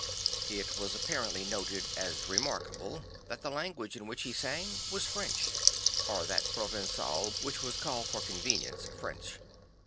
It was apparently noted as remarkable that the language in which he sang was French, or that Provençal which was called for conveni ence French.